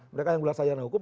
mereka yang berdasarkan hukum